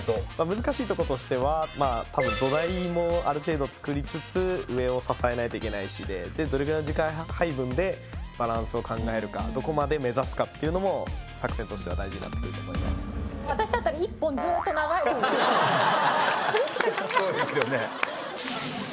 難しいとことしては多分土台もある程度作りつつ上を支えないといけないしでどれぐらいの時間配分でバランスを考えるかどこまで目指すかっていうのも作戦としては大事になってくると思いますそうそうそうそれしか考えないそうですよね